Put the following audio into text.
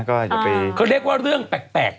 เขาเรียกว่าเรื่องแปลกแปลก